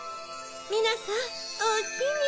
みなさんおおきに。